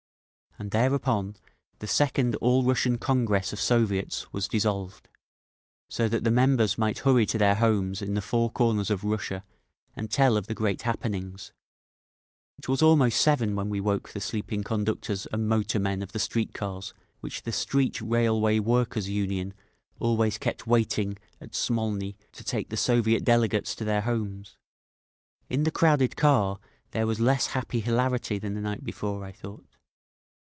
And thereupon the Second All Russian Congress of Soviets was dissolved, so that the members might hurry to their homes in the four corners of Russia and tell of the great happenings…. It was almost seven when we woke the sleeping conductors and motor men of the street cars which the Street Railway Workers' Union always kept waiting at Smolny to take the Soviet delegates to their homes. In the crowded car there was less happy hilarity than the night before, I thought.